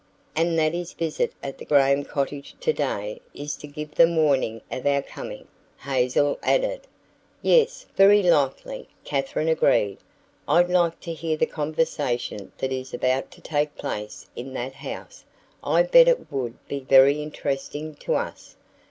"And that his visit at the Graham cottage today is to give them warning of our coming," Hazel added. "Yes, very likely," Katherine agreed. "I'd like to hear the conversation that is about to take place in that house. I bet it would be very interesting to us."